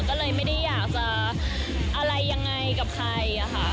ก็เลยไม่ได้อยากจะอะไรยังไงกับใครค่ะ